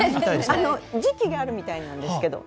時期があるみたいなんですけど。